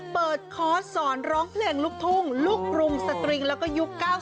เปิดคอร์สสอนร้องเพลงลูกทุ่งลูกรุงสตริงแล้วก็ยุค๙๐ไปเลยจ๊ะพี่